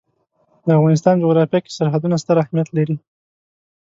د افغانستان جغرافیه کې سرحدونه ستر اهمیت لري.